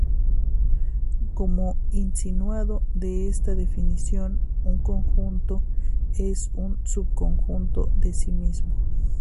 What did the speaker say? Como insinuado de esta definición, un conjunto es un subconjunto de sí mismo.